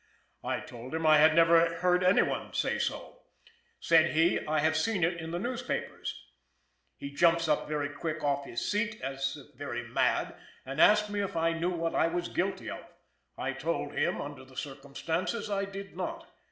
I told him I had never heard anyone say so. Said he I have seen it in the newspapers. "He jumps up very quick off his seat, as if very mad, and asked me if I knew what I was guilty of. I told him, under the circumstances I did not.